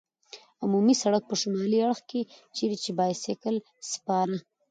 عمومي سړک په شمالي اړخ کې، چېرې چې بایسکل سپاره.